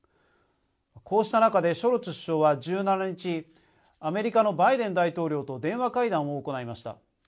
こうした中でショルツ首相は１７日アメリカのバイデン大統領と電話会談を行いました。